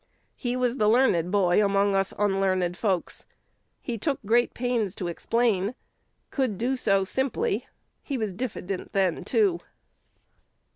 He was the learned boy among us unlearned folks. He took great pains to explain; could do it so simply. He was diffident then too."